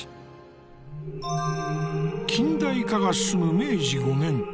近代化が進む明治５年。